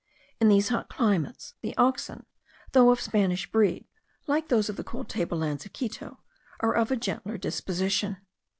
In these hot climates, the oxen, though of Spanish breed, like those of the cold table lands of Quito, are of a gentle disposition.